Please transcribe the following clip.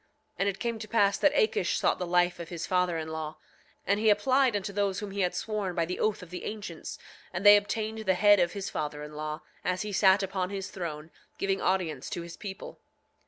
9:5 And it came to pass that Akish sought the life of his father in law; and he applied unto those whom he had sworn by the oath of the ancients, and they obtained the head of his father in law, as he sat upon his throne, giving audience to his people.